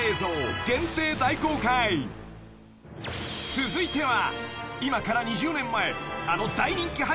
［続いては］